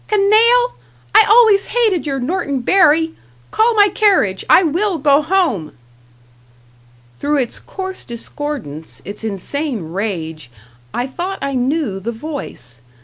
"Canaille! I always hated your Norton Bury! Call my carriage. I will go home." Through its coarse discordance, its insane rage, I thought I knew the voice.